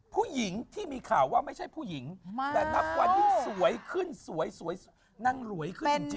ผู้หญิงที่มีข่าวว่าไม่ใช่ผู้หญิงแต่นับวันนี้สวยขึ้นสวยนางรวยขึ้นจริง